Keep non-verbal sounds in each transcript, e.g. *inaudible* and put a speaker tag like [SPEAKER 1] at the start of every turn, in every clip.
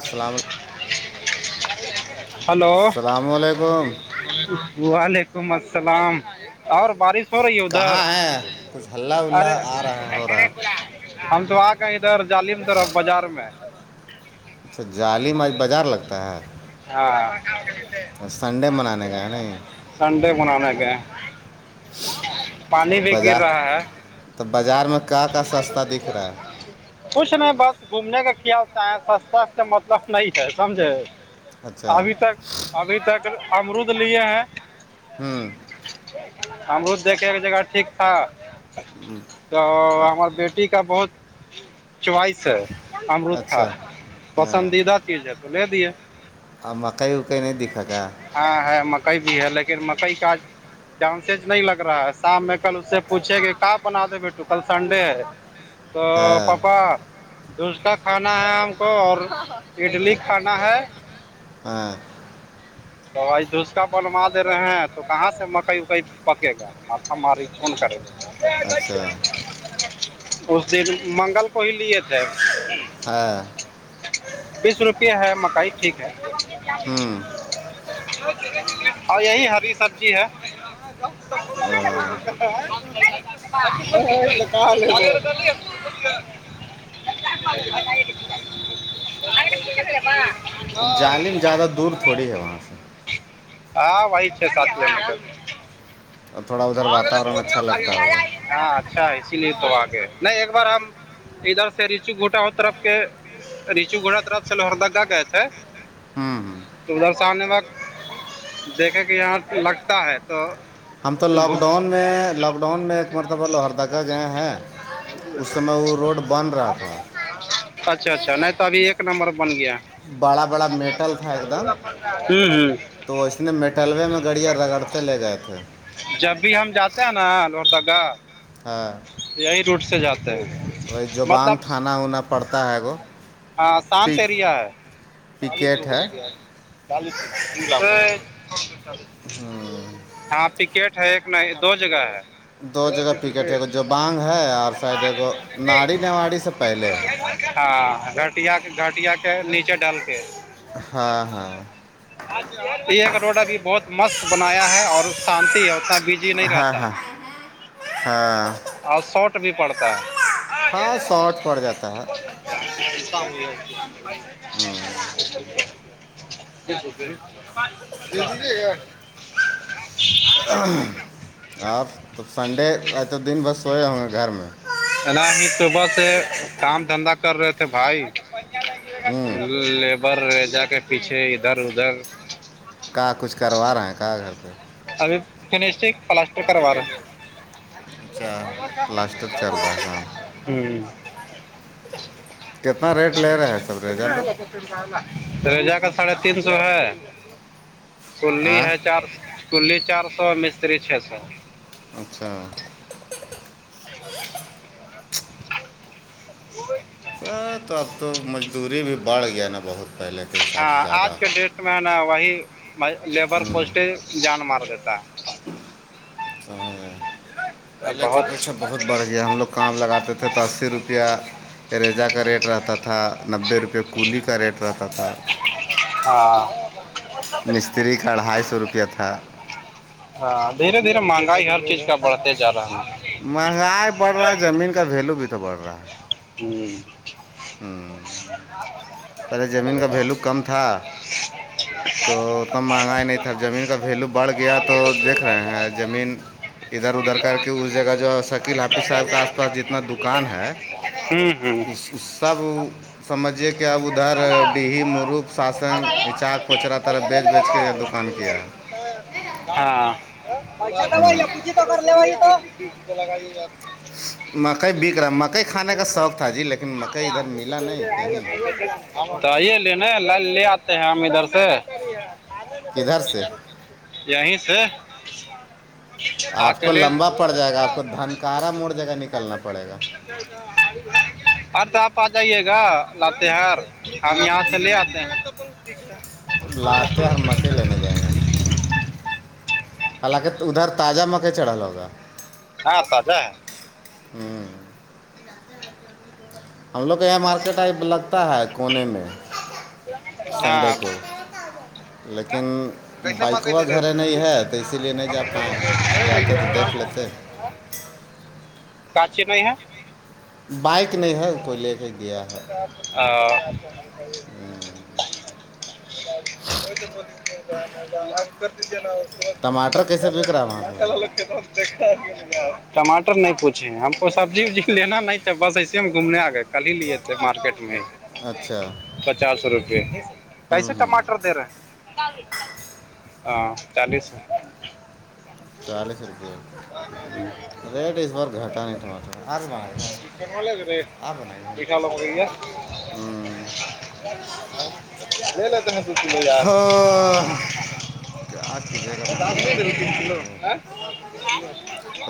[SPEAKER 1] السلام علیکم
[SPEAKER 2] ہلو
[SPEAKER 1] السلام علیکم
[SPEAKER 2] وعلیکم السلام اور بارش ہو رہی ہے ادھر
[SPEAKER 1] کہاں ہیں کچھ ہلہ الا
[SPEAKER 2] ارے
[SPEAKER 1] آ رہا ہے ہو رہا ہے
[SPEAKER 2] ہم تو آ گئے ادھر جالیم طرف بازار میں
[SPEAKER 1] ظالم اج بازار لگتا ہے
[SPEAKER 2] ہاں
[SPEAKER 1] سنڈے منانے کا ہے نہیں
[SPEAKER 2] سنڈے بنانے کے
[SPEAKER 1] بار
[SPEAKER 2] رہا ہے
[SPEAKER 1] تو بازار میں کا کا سستا دکھ رہا ہے
[SPEAKER 2] کچھ نہیں بس گھومنے کا کیایالتایں سستا سے مطلب نہیں ہے سمجھے
[SPEAKER 1] اچھا
[SPEAKER 2] ابھی تک ابھی تک امرود لیے ہیں
[SPEAKER 1] ہاں
[SPEAKER 2] ہم روز دیکھنے کی جگہ ٹھیک تھا
[SPEAKER 1] ہوں
[SPEAKER 2] تو ہمار بیٹٹی کا بہت چوائس ہے امرت تھا
[SPEAKER 1] اچھا ہاں
[SPEAKER 2] پسندیدہ چیز ہے تو لے دیے
[SPEAKER 1] مکئی اکئی نہیں دیککھ گا
[SPEAKER 2] ہاں ہے مکئی بھی ہے لیکن مکئی کا چانسز نہیں لگ رہا ہے شام میں کل اس سے پوچھے کہ کا بنا د بیٹا تو کل سنڈے ہے تو
[SPEAKER 1] ہاں
[SPEAKER 2] پاپا دس کا کھانا ہے ہم کو اور اڈلی کھانا ہے
[SPEAKER 1] ہاں
[SPEAKER 2] توائی دھسکا بنوا دے رہے ہیں تو کہاں سے مکئی اکئی پکے گا ماتا ماری کون کرے گا
[SPEAKER 1] اچھا
[SPEAKER 2] اس دن منگل کو ہی لیے تھے
[SPEAKER 1] ہاں
[SPEAKER 2] بیس روپے ہے مکائی ٹھیک ہے
[SPEAKER 1] ہوں
[SPEAKER 2] اوراں یہی ہری سبزی ہے *inaudible* کار ب آگبا ہاں
[SPEAKER 1] جعلی میں زیادہ دور تھوڑی ہے وہاں سے
[SPEAKER 2] ہاں وہی چ ساتو م
[SPEAKER 1] اور تھوڑا ادھر واتاورن اچھا
[SPEAKER 2] گ
[SPEAKER 1] لگتا ہوگا
[SPEAKER 2] ہاں اچھا اسی لیے تو آگے نہیں ایک بار ہم ادھر سے ریچو گھٹا ہو ترف کے ریچو گھوڑا طرف سے لوہردا گا گئے تھے
[SPEAKER 1] ہوں ہوں
[SPEAKER 2] تو ادھر سے آنے وقت دیکھے کے یہاں لگتا ہے تو
[SPEAKER 1] ہم تو لاک
[SPEAKER 2] بھوک
[SPEAKER 1] ڈاؤن میں لاک ڈاؤن میں ایک مرتبہ لوہردگہ گئے ہیں اس سمے وہ روڈ بد رہا تھا
[SPEAKER 2] اچھا اچھا نہیں تو ابھی ایک نمبر بن گیا
[SPEAKER 1] بڑا بڑا میٹل تھا ایک دم
[SPEAKER 2] ہوں ہوں
[SPEAKER 1] تو اس نے میٹلوے میں گڑیا رگڑتے لے گئے تھے
[SPEAKER 2] جب بھی ہم جاتے ہیں نا لوٹ دگا
[SPEAKER 1] ہاں
[SPEAKER 2] یہی روٹ سے جاتے ہیں
[SPEAKER 1] تو وہی جوبانگ
[SPEAKER 2] مطلب
[SPEAKER 1] تھانہ اونا پڑتا ہے گو
[SPEAKER 2] ہاں شانت
[SPEAKER 1] پک
[SPEAKER 2] ایریا ہے چالیس
[SPEAKER 1] پکیٹ
[SPEAKER 2] روپ بول
[SPEAKER 1] ہے
[SPEAKER 2] چالیس روپ
[SPEAKER 1] ہاں
[SPEAKER 2] ہاں پکٹ ہے ایک نہیں دو جگہ ہے
[SPEAKER 1] دو جگہ پکیٹ ہے گو جوبانگ ہے
[SPEAKER 2] *inaudible*
[SPEAKER 1] اور سائڈ ہے گو ناڑی نواڑی سے پہلے ہے
[SPEAKER 2] ہاں گٹیا کے گٹیا کے نیچے ڈال کے
[SPEAKER 1] ہاں ہاں
[SPEAKER 2] یہ روڈ ا بھی بہت مست بنایا ہے اور شانتی ہے بزی نہیں
[SPEAKER 1] ہاں
[SPEAKER 2] رہتا
[SPEAKER 1] ہاں
[SPEAKER 2] ہے
[SPEAKER 1] ہاں
[SPEAKER 2] اور شاٹ بھی پڑتا ہے
[SPEAKER 1] خا شاٹ پڑ جاتا ہے
[SPEAKER 2] سامی ہو
[SPEAKER 1] ہوں
[SPEAKER 2] *unintelligible* ہاں
[SPEAKER 1] آپ تو سنڈے ا توا دن بس سوئے ہوں گے گھر میں
[SPEAKER 2] نہ ہی صبح سے کام دھندا کر رہے تھے بھائی
[SPEAKER 1] ہوں
[SPEAKER 2] لیبر رہ جا کے پیچھے ادھر ادھر
[SPEAKER 1] کہ کچھ کروا رہے ہیں کہاں گھر پہ
[SPEAKER 2] ابھی فشٹک پلاسٹر کروا رہا ہیں
[SPEAKER 1] اچھا پلاسٹر چل رہا ہے کام
[SPEAKER 2] ہوں
[SPEAKER 1] کتنا
[SPEAKER 2] *inaudible*
[SPEAKER 1] ریٹ لے رہے ہیں سب ریجا لوگ
[SPEAKER 2] تریجا کا ساڑھے تین سو ہے سولی ہے
[SPEAKER 1] آئیں
[SPEAKER 2] چار سو کلی چار سو مستری چھ سو
[SPEAKER 1] اچھا
[SPEAKER 2] *inaudible* وہ
[SPEAKER 1] اے تو اب تو مزدوری بھی بڑھ گیا نا بہت پہلے کے حساب سے
[SPEAKER 2] ہاں
[SPEAKER 1] زیادہ
[SPEAKER 2] آج کے ڈیٹ میں نا وہی لیبر کوسٹ جان مار دیتا ہے
[SPEAKER 1] *unintelligible* پہلے کے
[SPEAKER 2] بہت
[SPEAKER 1] اپیچھا بہت بڑھ گیا ہم لوگ کام لگاتے تھے تو اسی روپیہ اریزا کا ریٹ رہتا تھا نبے روپئے کولی کا ریٹ رہتا تھا
[SPEAKER 2] ہاں
[SPEAKER 1] مستری کا اڑھائی سو روپیہ تھا
[SPEAKER 2] ہاں دھیرے دھیرے مہنگائی ہر چیز کا بڑھتے جا رہا ہے
[SPEAKER 1] مہنگائی بڑھ رہا ہے زمین کا ویلو بھی تو بڑھ رہا ہے
[SPEAKER 2] ہوں
[SPEAKER 1] ہوں ارے زمین کا ویلو کم تھا
[SPEAKER 2] *inaudible*
[SPEAKER 1] تو اتنا مہنگا ہی نہیں تھاب زمین کا ویلو بڑھ گیا تو دیکھ رہے ہیں زمین ادھر ادھر کر کے اس جگہ جو شکیل حافیظ صاحب کے آس پاس جتنا دکان ہے
[SPEAKER 2] ہوں ہوں
[SPEAKER 1] اس سب *unintelligible* سمجھیے کہ اب ادھر ڈہی مرخ ساسن اچا کوچرا طرف بیچ بیچ کے فان کیا
[SPEAKER 2] ہاں
[SPEAKER 1] ہوں
[SPEAKER 2] پچی تو ل لگائی
[SPEAKER 1] مکئی بک رہا مکئی کھانے کا شوق تھا جی لیکن مکئی ادھر ملا نہیں کہیں
[SPEAKER 2] تو آئیے لنے ل لے آتے ہیں ہم ادھر سے
[SPEAKER 1] کدھر سے
[SPEAKER 2] یہیں سے *unintelligible*
[SPEAKER 1] آپ کو لمبا پڑ جائے گا آپ کو دھنکارا موڑ جگہ نکلنا پڑے گا
[SPEAKER 2] ار تو آپ آ جائیے گا لات ہار ہم یہاں سے لے آتے ہیں *unintelligible*
[SPEAKER 1] لاتے ہ ہم مکئی لینے جائیں گے حالانکہ ادھر تازہ مکئی چڑھا ل ہوگا
[SPEAKER 2] ہاں پجا
[SPEAKER 1] ہوں ہم لوگ کو یہاں مارکیٹ آ لگتا ہے کونے میں
[SPEAKER 2] ہاں کو
[SPEAKER 1] لیکن بائکوا
[SPEAKER 2] دے رہے
[SPEAKER 1] گھر
[SPEAKER 2] ہو
[SPEAKER 1] نہیں ہے تو اسی لیے نہیں جا پائائے جاتے تو دیکھ لیتے
[SPEAKER 2] کا چ نہیں ہے
[SPEAKER 1] بائک نہیں ہے اس کو لے کے گیا ہے
[SPEAKER 2] *unintelligible* آپ کر دیجے نا اس
[SPEAKER 1] ٹماٹر کیسے بک رہا ہے وہاں پہ
[SPEAKER 2] کے ٹماٹر نہیں پوچھ اچی ہم کو سبزی وبزی لینا نہیں ہے بس ایسے ہم گھومنے آ گئے کل ہی لیے تھے مارکیٹ میں
[SPEAKER 1] اچھا
[SPEAKER 2] پچاس روپے کیسے
[SPEAKER 1] ہوں ہوں
[SPEAKER 2] ٹماٹر دے رہے ہاں چالیس
[SPEAKER 1] چالیس روپے ریٹ اس بار گھٹا نہیں تھاج
[SPEAKER 2] ل کے رے بیھا لو م رہیا
[SPEAKER 1] ہوں
[SPEAKER 2] لے لیتے ہیں پ لے د
[SPEAKER 1] ہاں، کیا کیجیے گا مہنگائی تو ہے یہ ہے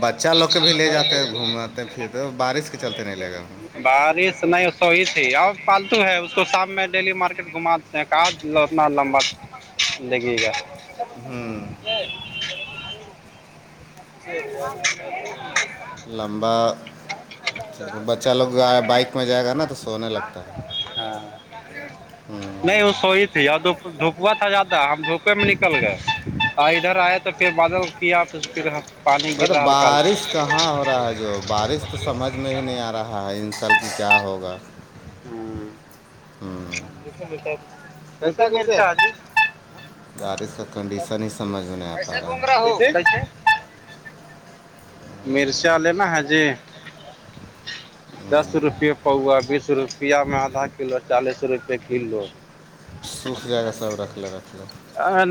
[SPEAKER 1] بچہ لوگ کے بھی لے جاتے ہیں گھوماتے پھرتے بارش چلتے نہیں لے گا
[SPEAKER 2] بارش نہیں سوی تھی اب پالتو ہے اس کو شام میں ڈیلی مارکیٹ گھما کا اتنا لمبا لگے گا
[SPEAKER 1] ہاں
[SPEAKER 2] *unintelligible*
[SPEAKER 1] لمبا بچہ لوگ بائک میں جائے گا نا تو سونے لگتا ہے
[SPEAKER 2] ہاں
[SPEAKER 1] ہوں
[SPEAKER 2] نہیں وہ سوی تھی دپوا تھا زیادہ ہم دھوپے میں نکل گئے ہ ادھر آیا تو پھر بادل کیا پھر پھر پانی گر رہا ہلکا ہلکا
[SPEAKER 1] رہاجب بارش تو سمجھ میں ہی نہیں آ رہا ہے انسلک کیا ہوگا
[SPEAKER 2] ہلکا
[SPEAKER 1] ہوں
[SPEAKER 2] *unintelligible*
[SPEAKER 1] بارش کا کنڈیشن ہی سمجھ میں نہیں آ پا رہا
[SPEAKER 2] سےومرا
[SPEAKER 1] ہے
[SPEAKER 2] ہو مرچ لےینا ہے جی دس روپے پؤوا بیس روپ روپیہ میں آدا کلو چالیس روپے کلو
[SPEAKER 1] سوکھ جا کےہ سب رکھل رکھل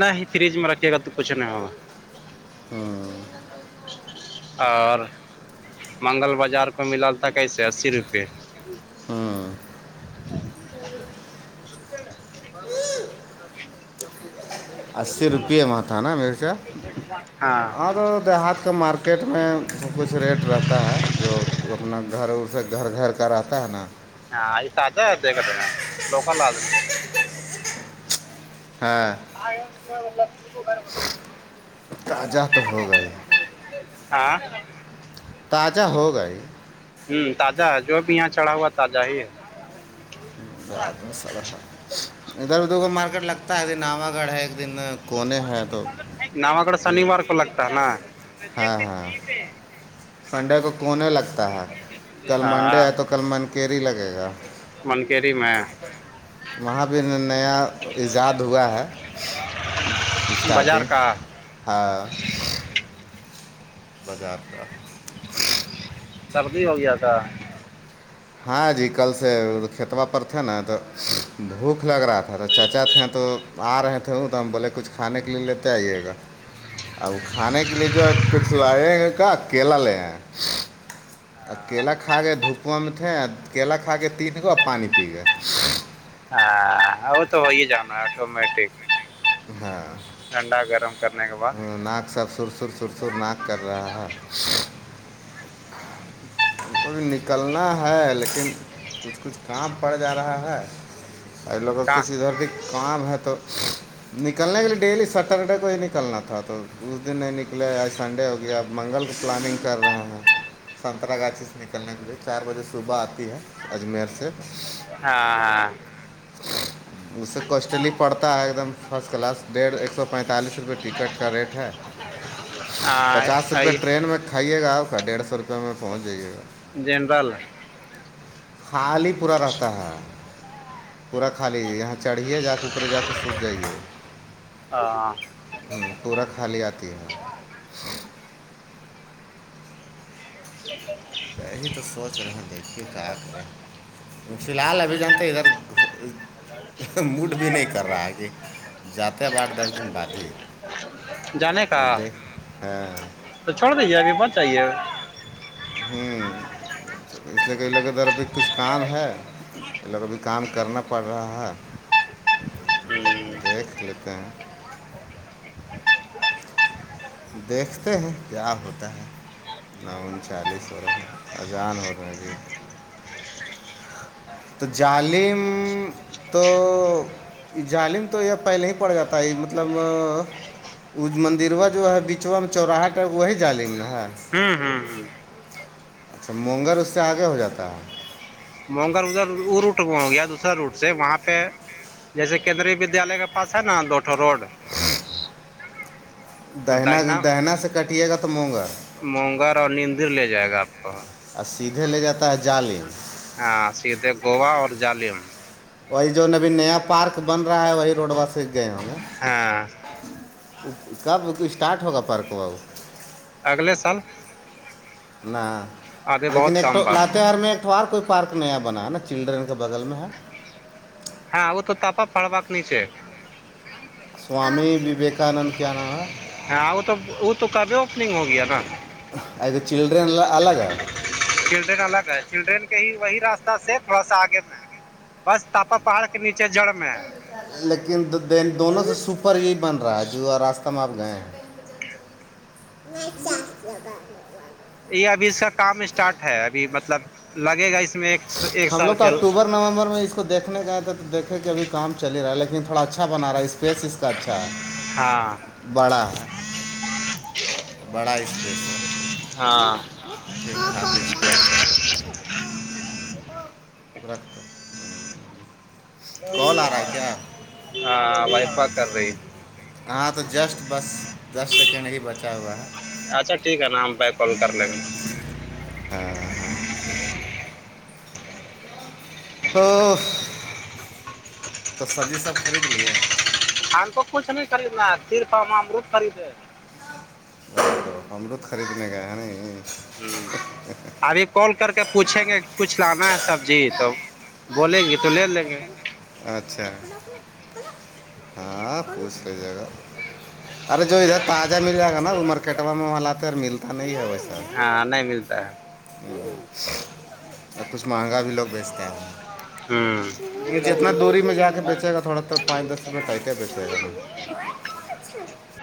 [SPEAKER 2] نہیں فریج میں رکھیے گا تو کچھ نہیں ہوگا
[SPEAKER 1] ہوں
[SPEAKER 2] اور منگل بازار کو ملال تھا کیسے اسی روپے
[SPEAKER 1] ہاں
[SPEAKER 2] *unintelligible*
[SPEAKER 1] ج اسی روپیے میں تھا نا میرے کیا
[SPEAKER 2] ہاں
[SPEAKER 1] ہ دیہات کا مارکیٹ مارکیٹ میں س کچھ ریٹ رہتا ہے جو اپنا گھر ا سے گھر گھر کا رہتا ہے نا
[SPEAKER 2] ہاں تازہ ہے دیکھتے ہیںا لوکل آدمی
[SPEAKER 1] ہاں
[SPEAKER 2] *unintelligible*
[SPEAKER 1] تازہ تو ہو گئے
[SPEAKER 2] ہاں
[SPEAKER 1] تازہ ہوگا ہی
[SPEAKER 2] ہوں تازہ ہے جو بھی یہاں چڑھا ہوا تازہ ہی ہے
[SPEAKER 1] بعات میں سرح ادھر ادھر کو مارکیٹ لگتا ہے دن نوا گڑھ ہے ایک دن کونے ہیں تو
[SPEAKER 2] نواگڑھ شنیوار لگتا ہے نا
[SPEAKER 1] ہاں ہاں سنڈے کو کونے لگتا ہے کل منڈے
[SPEAKER 2] ہاں
[SPEAKER 1] ہے تو کل منکیری لگے گا
[SPEAKER 2] منکیری میں
[SPEAKER 1] وہاں پہ نیا ایجاد ہوا ہے
[SPEAKER 2] بازار
[SPEAKER 1] اسٹارٹنگ
[SPEAKER 2] کا
[SPEAKER 1] ہاں بازار کا
[SPEAKER 2] سردی ہو گیا تھا
[SPEAKER 1] ہاں جی کل سے کھیتبا پر تھے نا تو بھوک لگ رہا تھا تو چچا تھے تو آ رہے تھے ہوں تو ہم بولے کچھ کھانے کے لیے لیتے آئیے گا اب کھانے کے لیے جو ہے کچھ لائےیں گے کیا کیلا لے کیلا کھا گیا دھوپواں میں تھے کیلا کھا کے تین گو اور پانی پی گئے
[SPEAKER 2] ہاں وہ تو ہو ہی جانا ہے آٹومیٹک
[SPEAKER 1] ہاں
[SPEAKER 2] ٹھنڈا گرم کرنے کے بعد
[SPEAKER 1] ناک سب سر سر سرسر ناک کر رہا ہے ہم کوبھی نکلنا ہے لیکن کچھ کچھ کام پڑ جا رہا ہے ا لے ب
[SPEAKER 2] کہاں
[SPEAKER 1] کچھ ادھر بھی کام ہے تو نکلنے کے لیے ڈیلی سٹرڈے کو ہی نکلنا تھا تو اس دن نہیں نکلے آج سنڈے ہو گیا آپ منگل کی پلاننگ کر رہے ہیں سنترا گاچھی سے نکلنے کے لیے چار بجے صبح آتی ہے اجمیر سے
[SPEAKER 2] ہاں ہاں
[SPEAKER 1] اسس کوسٹلی پڑتا ہے ایک دم فرسٹ کلاس ڈیڑھ ایک سو پینتالیس روپے ٹکٹ کا ریٹ ہے
[SPEAKER 2] ہاں
[SPEAKER 1] پچاس
[SPEAKER 2] ہاں
[SPEAKER 1] روپئے ٹرین میں کھائیے گا آپ کا ڈیڑھ سو روپے میں پہنچ جائیے گا
[SPEAKER 2] جنرل
[SPEAKER 1] خال ہی پورا رہتا ہے پورا کھا لیجیے یہاں چڑھھیے جا کے اوپرے جا کے سوکھ جائیے
[SPEAKER 2] ہاں
[SPEAKER 1] پورا خالی آتی ہے یہی تو سوچ رہے دیکھیے کایا کریں فی الحال ابھی جانتے ادھر موڈ بھی نہیں کر رہا ہے کہ جاتے ہیں ب آٹ دس دن بعد ہی
[SPEAKER 2] جانے کا
[SPEAKER 1] اب دیکھ ہاں
[SPEAKER 2] تو چھوڑ دیجے ابھی بچ جائیے
[SPEAKER 1] ہوں اس لیے کہ لے کےدھر بھی کچھ کام ہے لوگبھی کام کرنا پڑ رہا ہے
[SPEAKER 2] ہوں
[SPEAKER 1] دیکھ لیتے ہیں دیکھتے ہیں کیا ہوتا ہے نون چالیس ہو رہا ہے اجان ہو رہا ج تو جالم تو جظالم تو یہ پہلے ہی پڑ جاتا ہے مطلب مندروا جو ہے ب بیچوا میں چوراہاٹ ہے وہی جالیم نہ ہے
[SPEAKER 2] ہوں ہوں
[SPEAKER 1] اچھا مونگگر اس سے آگے ہو جاتا ہے
[SPEAKER 2] مگر ادھر وہ روٹ ہو گیا دوسرا روٹ سے وہاں پہ جیسے کیندری ودیالیہ کے پاس ہے نا لوٹو روڈ تو
[SPEAKER 1] دہنا
[SPEAKER 2] داہنا
[SPEAKER 1] دہنا سے کٹیے گا تو منگا
[SPEAKER 2] مونگر اور نیندر لے جائے گا آپ کو
[SPEAKER 1] اور سیدھے لے جاتا ہے جال
[SPEAKER 2] ہاں سیتے گوبا اور جالم
[SPEAKER 1] وہی جو نبی نیا پارک بن رہا ہے وہی روڈب سے گئے ہوںے
[SPEAKER 2] ہاں
[SPEAKER 1] کب اسٹارٹ ہوگا پرک بو
[SPEAKER 2] اگلے سال
[SPEAKER 1] نہ
[SPEAKER 2] ابھی
[SPEAKER 1] لیکن
[SPEAKER 2] بہت
[SPEAKER 1] ایکٹ
[SPEAKER 2] کم باقی
[SPEAKER 1] لاتار میں کٹوار کوئی پارک نیا بناا نا چلڈرین بغل میں ہے
[SPEAKER 2] ہاں ا وہ تو تاپا پڑوا نہیںچے
[SPEAKER 1] سوامی وویکانند کیا نام ہے
[SPEAKER 2] ہاں وہ تو وہ تو کبھی اوپننگ ہو گیا نا
[SPEAKER 1] ا تو چلڈرن الگ ہے
[SPEAKER 2] چلڈرین الگ ہے چلڈرین کے ہی وہی راستہ سے تھوڑا سا آگے میں بس تاپا پہاڑ کے نیچے جڑ میں ہے
[SPEAKER 1] لیکن د دونوں سے سپر یہی بن رہا ہے جو راستہ میں آپ گئے ہیں *unintelligible*
[SPEAKER 2] یہ ابھی اس کا کام اسٹارٹ ہے ابھی مطلب لگے گا اس میں ایک ایک
[SPEAKER 1] ہم
[SPEAKER 2] سال
[SPEAKER 1] لوگ کو
[SPEAKER 2] کے
[SPEAKER 1] اکتوبر نومبر میں دیکنے کے آئے تھا تو دیکے کہ ابھی کام چل رہا ہے لیکن تھوڑا اچھا بنا رہا ہے اسپیس اس اچھا
[SPEAKER 2] ہاں
[SPEAKER 1] بڑا ہے بڑا اسپیس ہے
[SPEAKER 2] ہاں
[SPEAKER 1] ٹھیکٹھاک اسپس رکھتے ہے کیا
[SPEAKER 2] ہاں وائفا کر رہی
[SPEAKER 1] ہاں تو جسٹ بس دس سیکنڈ ہی بچا ہوا ہے
[SPEAKER 2] اچھا ٹھیک ہے نا ہم پ کال کر لیں گے
[SPEAKER 1] ہاں ہاں تو سبزی سب خرید لیے
[SPEAKER 2] ہم تو کچھ نہیں خریدنا ہے صرپامروود خریدے
[SPEAKER 1] ہم لو تو خریدنے گئے ہیں ن
[SPEAKER 2] ابھی کال کر کے پوچھیں گے کچھ لانا ہے سبزی تو بولیں گے تو لے لیں گے
[SPEAKER 1] اچھا ہاں پوچھتے ج گا ارے جو ادھر تازہ مل جائے گا نا امر کٹوا میں وہا تو ملتا نہیں ہے ویسے
[SPEAKER 2] ہاں نہیں ملتا ہے
[SPEAKER 1] ہ اور کچھ مہنگا بھی لوگ بیچتے
[SPEAKER 2] ہے
[SPEAKER 1] ہیں
[SPEAKER 2] ہ
[SPEAKER 1] جتنا دوری میں جا کے بیچے گا تھوڑا تو پچ دس روپئے ٹائٹ ہے بیچے گا نا